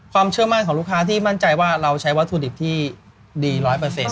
ความเชื่อมั่นของลูกค้าที่มั่นใจว่าเราใช้วัตถุดิบที่ดีร้อยเปอร์เซ็นต์